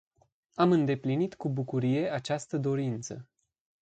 Am îndeplinit cu bucurie această dorință.